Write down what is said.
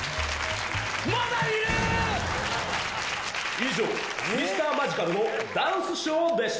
以上、ミスターマジカルのダンスショーでした。